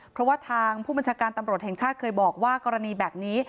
เพราะว่าทางผู้บัญชาการตำรวจแห่งชาติเคยบอกว่ากรณีแบบนี้